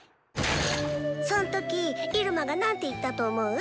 そんときイルマが何て言ったと思う？